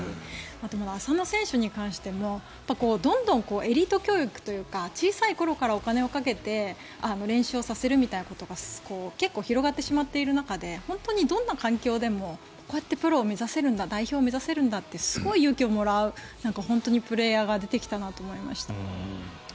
あと、浅野選手に関してもどんどんエリート教育というか小さい頃からお金をかけて練習をさせるみたいなことが結構、広がってしまっている中で本当にどんな環境でもこうやってプロを目指せるんだ代表を目指せるんだってすごい勇気をもらうプレーヤーが出てきたなと思いました。